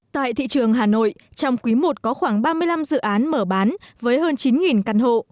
tại thị trường hà nội trong quý i có khoảng ba mươi năm dự án mở bán với hơn chín căn hộ